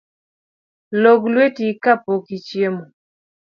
Log lueti kapok ichiemo